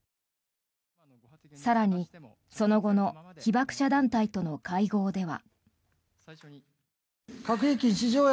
更に、その後の被爆者団体との会合では。